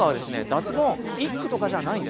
脱ボン１句とかじゃないんです。